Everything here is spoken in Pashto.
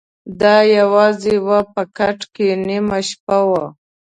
د ا یوازي وه په کټ کي نیمه شپه وه